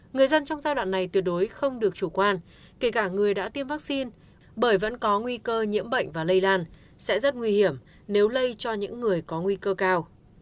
người dân trong giai đoạn này tuyệt đối không được chủ quan kể cả người đã tiêm vaccine bởi vẫn có nguy cơ nhiễm bệnh và lây lan sẽ rất nguy hiểm nếu lây cho những người có nguy cơ cao